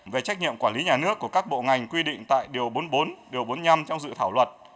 về trách nhiệm quản lý nhà nước của các bộ ngành quy định tại điều bốn mươi bốn điều bốn mươi năm trong dự thảo luật